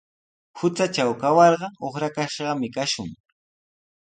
Hutratraw kawarqa uqrakashqami kashun.